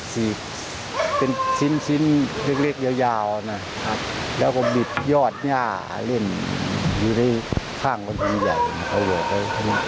ฉีกเป็นชิ้นเล็กยาวนะครับแล้วก็บิดยอดย่าเล่นอยู่ในข้างคนที่ใหญ่